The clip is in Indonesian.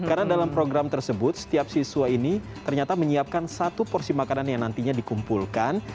karena dalam program tersebut setiap siswa ini ternyata menyiapkan satu porsi makanan yang nantinya dikumpulkan